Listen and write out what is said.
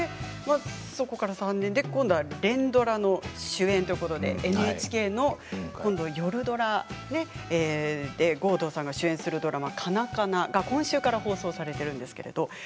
そこから３年で連ドラの主演ということでＮＨＫの夜ドラ郷敦さんが主演するドラマ「カナカナ」が今週から放送されています。